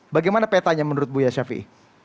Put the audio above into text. bagaimana petanya menurut buya syafiq